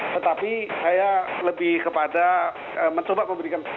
tetapi saya lebih kepada mencoba untuk membuatnya lebih beragam